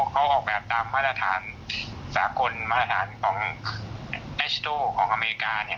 เขาออกแบบตามวัฒนฐานสากลวัฒนฐานของของอเมริกาเนี่ย